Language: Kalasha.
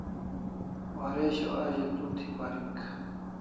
Waresho a ze tu thi parik